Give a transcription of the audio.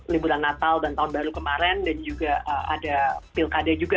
liburan natal dan tahun baru kemarin dan juga ada pilkada juga